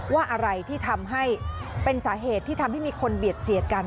ว่าอะไรที่ทำให้เป็นสาเหตุที่ทำให้มีคนเบียดเสียดกัน